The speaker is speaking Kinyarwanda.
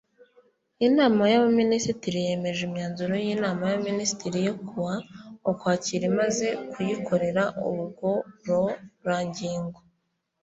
Inama y’Abaminisitiri yemeje imyanzuro y’Inama y’Abaminisitiri yo ku wa Ukwakira imaze kuyikorera ubugororangingo